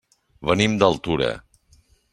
Venim d'Altura.